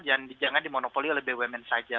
jangan di monopoli oleh bumn saja